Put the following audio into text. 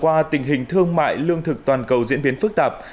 qua tình hình thương mại lương thực toàn cầu diễn biến phức tạp